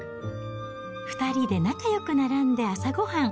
２人で仲よく並んで朝ごはん。